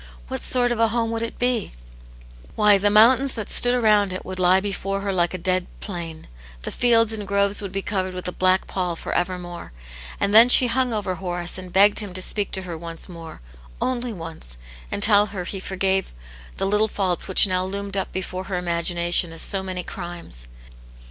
What sort of a hom^ would it be } Why, the mountains that stood around it would lie before her like a dead plain ; the fields and groves would be covered with a black pall for evermore ! And then she hung over Horace and begged him to speak to her once more, only once, and tell her he forgave the little faults which now loomed up before her imagination as so many crimes.